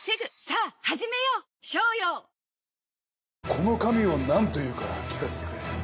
この紙を何と言うか聞かせてくれ。